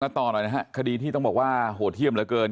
ต่อหน่อยนะฮะคดีที่ต้องบอกว่าโหดเยี่ยมเหลือเกิน